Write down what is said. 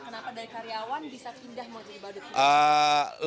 kenapa dari karyawan bisa pindah menjadi badut